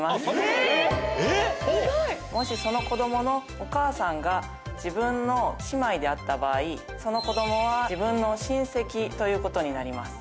もしその子どものお母さんが自分の姉妹であった場合、その子どもは自分の親戚ということになります。